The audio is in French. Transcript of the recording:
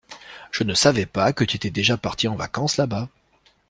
Je ne savais pas que tu étais déjà parti en vacances là-bas.